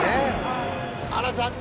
あら残念！